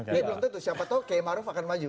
ya belum tentu siapa tahu kayak maruf akan maju